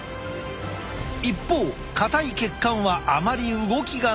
一方硬い血管はあまり動きがない。